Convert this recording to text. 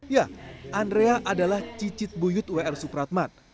ya andrea adalah cicit buyut w r supratman